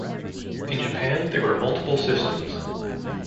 In Japan there were multiple systems.